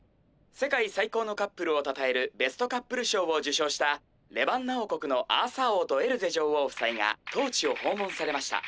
世界さいこうのカップルをたたえるベストカップル賞を受賞したレバンナ王国のアーサー王とエルゼ女王ふさいが当地をほうもんされました」。